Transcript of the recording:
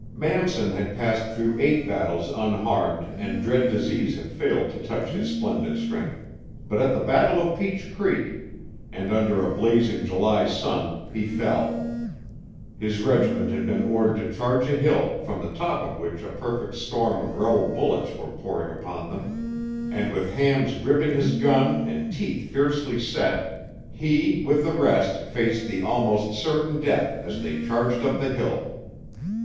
Manson had passed through eight battles unharmed and dread disease had failed to touch his splendid strength; but at the battle of Peach Creek, and under a blazing July sun he fell. His regiment had been ordered to charge a hill, from the top of which a perfect storm of rebel bullets were pouring upon them, and with hands gripping his gun and teeth fiercely set, he with the rest faced the almost certain death as they charged up the hill!